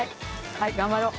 はい頑張ろう。